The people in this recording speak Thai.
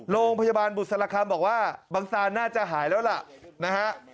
โรงพยาบาลบุษรคำบอกว่าบังซานน่าจะหายแล้วล่ะนะฮะ